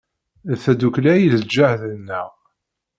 D tadukli ay d ljehd-nneɣ!